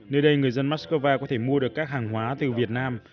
nơi đây người dân moscow có thể mua được các hàng hóa từ việt nam